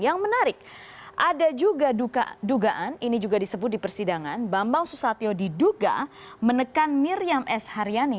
yang menarik ada juga dugaan ini juga disebut di persidangan bambang susatyo diduga menekan miriam s haryani